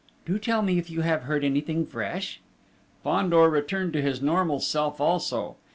"Do tell me if you have heard anything fresh!" Fandor returned to his normal self also.